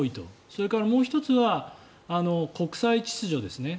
それからもう１つは国際秩序ですね。